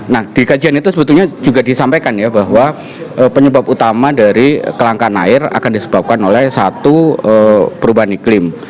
nah di kajian itu sebetulnya juga disampaikan ya bahwa penyebab utama dari kelangkaan air akan disebabkan oleh satu perubahan iklim